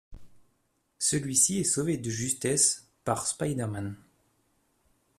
Celui-ci est sauvé de justesse par Spider-Man.